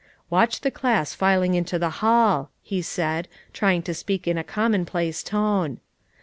"Watch the class filing into the hall," he said, trying to speak in a commonplace tone.